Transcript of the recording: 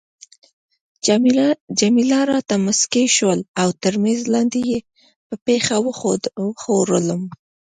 جميله راته مسکی شول او تر میز لاندي يې په پښه وښورولم.